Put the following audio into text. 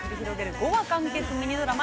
５話完結ミニドラマ。